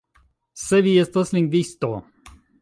Se vi estas lingvisto